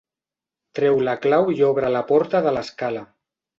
Treu la clau i obre la porta de l'escala.